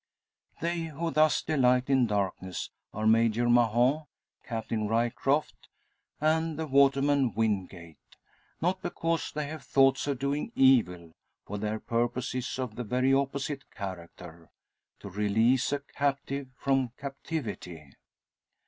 They who thus delight in darkness are Major Mahon, Captain Ryecroft, and the waterman, Wingate. Not because they have thoughts of doing evil, for their purpose is of the very opposite character to release a captive from captivity.